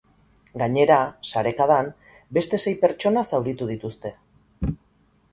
Gainera, sarekadan, beste sei pertsona zauritu dituzte.